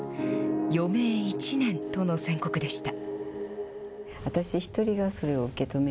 余命１年との宣告でした。